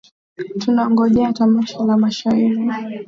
Tunangojea tamasha la mashairi.